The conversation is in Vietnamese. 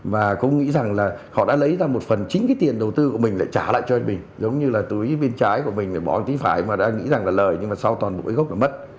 và cũng nghĩ rằng là họ đã lấy ra một phần chính cái tiền đầu tư của mình lại trả lại cho mình giống như là túi bên trái của mình bỏ một tí phải mà đã nghĩ rằng là lời nhưng mà sau toàn bộ gốc là mất